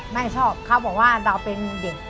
ไม่ชอบเขาบอกว่าเราเป็นเด็ก